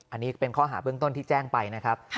อันนี้เป็นข้อหาเบื้องต้นที่แจ้งไปนะครับ